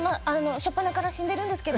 初っぱなから死んでるんですけど。